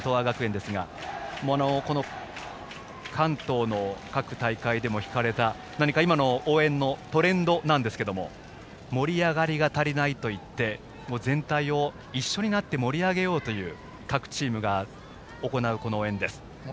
関東の各大会でも聞かれた何か今の応援のトレンドなんですけど盛り上がりが足りないと言って全体を一緒になって盛り上げようという各チームが行う応援です。